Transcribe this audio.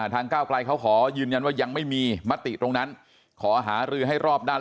ก้าวไกลเขาขอยืนยันว่ายังไม่มีมติตรงนั้นขอหารือให้รอบด้าน